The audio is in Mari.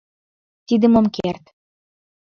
«Тидым ом керт».